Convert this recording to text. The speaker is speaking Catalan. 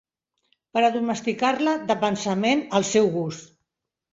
Per a domesticar-la, de pensament, al seu gust.